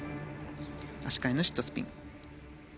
足換えのシットスピン。